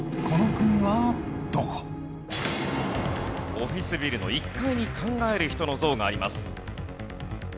オフィスビルの１階に『考える人』の像があります。